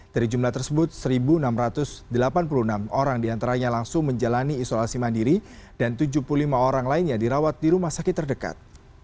dari jumlah tersebut satu enam ratus delapan puluh enam orang diantaranya langsung menjalani isolasi mandiri dan tujuh puluh lima orang lainnya dirawat di rumah sakit terdekat